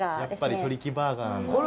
やっぱりトリキバーガーなんだ